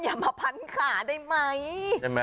อย่ามาพันขาได้ไหม